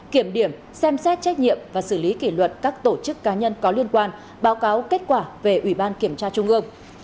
kiểm điểm xem xét trách nhiệm và xử lý kỷ luật các tổ chức cá nhân có liên quan báo cáo kết quả về ủy ban kiểm tra trung ương